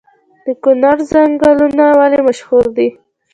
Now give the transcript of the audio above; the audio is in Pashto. د کونړ ځنګلونه ولې مشهور دي؟